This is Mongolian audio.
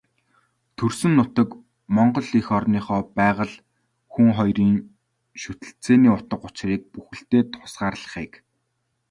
Төрсөн нутаг, Монгол эх орныхоо байгаль, хүн хоёрын шүтэлцээний утга учрыг бүтээлдээ тусгахыг хичээдэг.